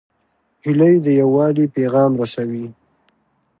هیلۍ د یووالي پیغام رسوي